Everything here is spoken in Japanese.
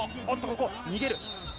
おっとここ、逃げる。